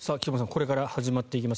これから始まっていきます